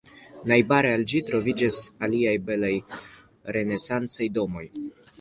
Najbare al ĝi troviĝas aliaj belaj renesancaj domoj.